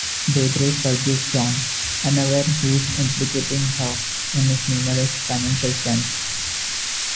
Deirdre forgives Jon, unaware he is implicating her in his numerous financial scams.